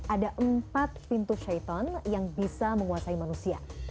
ada empat pintu syaiton yang bisa menguasai manusia